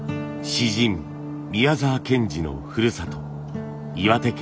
詩人宮沢賢治のふるさと岩手県花巻市です。